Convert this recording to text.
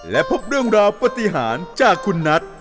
และพบเรื่องราวปฏิหารจากคุณนัท